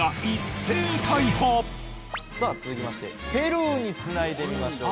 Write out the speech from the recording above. さあ続きましてペルーにつないでみましょう。